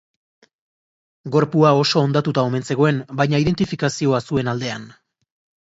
Gorpua oso hondatuta omen zegoen, baina identifikazioa zuen aldean.